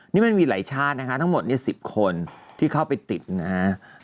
นี่มันมีหลายชาตินะคะทั้งหมด๑๐คนที่เข้าไปติดนะฮะ